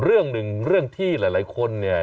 เบื้องต้น๑๕๐๐๐และยังต้องมีค่าสับประโลยีอีกนะครับ